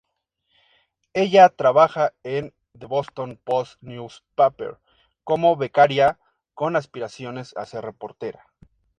Ella trabaja en The Boston Post Newspaper, como becaria, con aspiraciones a ser reportera.